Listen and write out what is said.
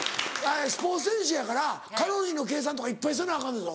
スポーツ選手やからカロリーの計算とかいっぱいせなアカンねんぞ。